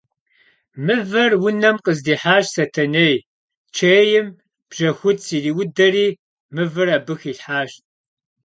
Mıver vunem khızdihaş Setenêy, çêym bjexuts yiriuderi mıver abı xilhhaş.